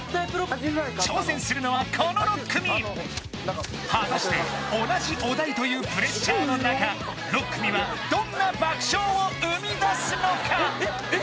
挑戦するのはこの６組果たして同じお題というプレッシャーの中６組はどんな爆笑を生み出すのか？